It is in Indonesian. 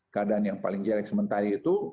keadaan yang paling jelek sementara itu